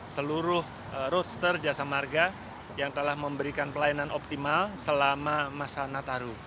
seluruh roadster jasa marga yang telah memberikan pelayanan optimal selama masa nataru